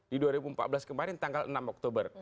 di dua ribu empat belas kemarin tanggal enam oktober